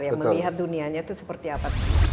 yang melihat dunianya itu seperti apa